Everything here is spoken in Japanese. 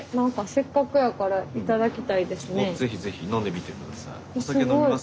すごい。是非是非飲んでみてください。